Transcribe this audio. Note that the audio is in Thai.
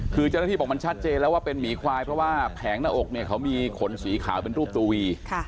คือเจ้าหน้าที่บอกมันชัดเจนแล้วว่าเป็นหมีควายเพราะว่าแผงหน้าอกเนี่ยเขามีขนสีขาวเป็นรูปตัววี